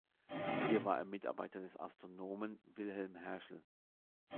Hier war er Mitarbeiter des Astronomen Wilhelm Herschel.